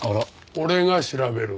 俺が調べる。